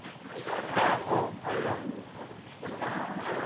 Daho hayron bo‘ldi.